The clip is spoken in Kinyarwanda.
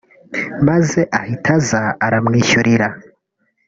maze ahita aza aramwishyurira